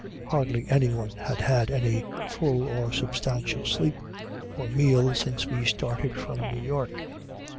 Hardly anyone had had any full or substantial sleep or meal since we started from New York.